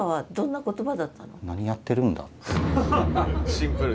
シンプル。